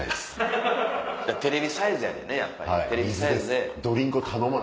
テレビサイズやねんねやっぱ。